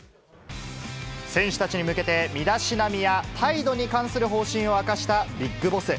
選手たちに向けて、身だしなみや態度に関する方針を明かしたビッグボス。